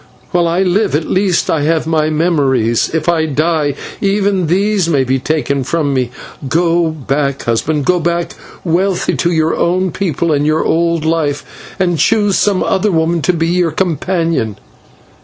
While I live, at least I have my memories; if I die, even these may be taken from me. Go back, husband, go back wealthy to your own people and your old life, and choose some other woman to be your companion.